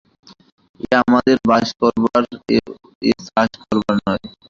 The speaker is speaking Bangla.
এ আমাদের বাস করবার, এ চাষ করবার নয়।